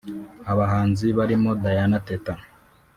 Abahanzi barimo Diana Teta